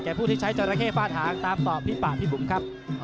ผู้ที่ใช้จราเข้ฟาดหางตามต่อพี่ป่าพี่บุ๋มครับ